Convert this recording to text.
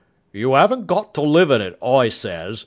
"You 'aven't got to live in it, I says.